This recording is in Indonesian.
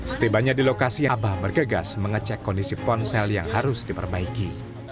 setibanya di lokasi abah bergegas mengecek kondisi ponsel yang harus diperbaiki